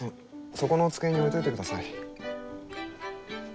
そこの机に置いといてください。